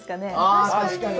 あ確かに。